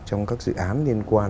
trong các dự án liên quan